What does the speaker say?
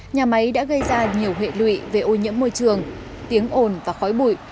nhà máy đã gây ra nhiều hệ lụy về ô nhiễm môi trường tiếng ồn và khói bụi